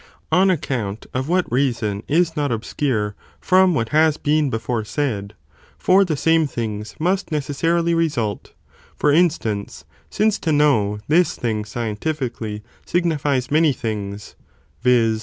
On account of what reason is not obscure from what has been before said, for the same things must necessarily result, for instance, since to know this thing scientifically, signifies many things, (viz.